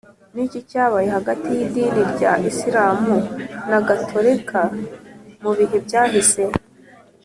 ni iki cyabaye hagati y’idini rya isilamu na gatolika mu bihe byahise?